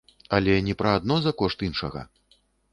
Але не пра адно за кошт іншага.